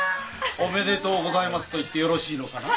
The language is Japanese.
おめでとうございますと言ってよろしいのかな？